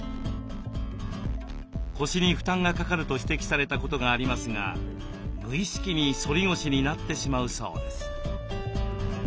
腰に負担がかかると指摘されたことがありますが無意識に反り腰になってしまうそうです。